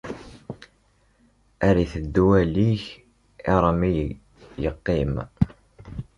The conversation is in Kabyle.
Ar itteddu allig iṛmey, iqqim.